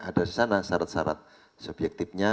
ada disana syarat syarat subjektifnya